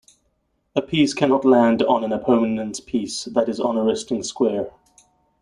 A piece cannot land on an opponent's piece that is on a resting square.